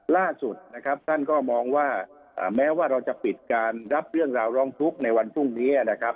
ล่าสุดนะครับท่านก็มองว่าแม้ว่าเราจะปิดการรับเรื่องราวร้องทุกข์ในวันพรุ่งนี้นะครับ